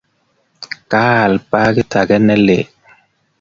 Ka al pakit ake ne lel